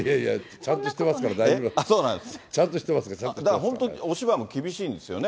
ちゃんとしてますから、だから本当、お芝居も厳しいんですよね。